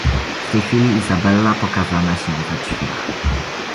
"W tej chwili Izabella pokazana się we drzwiach."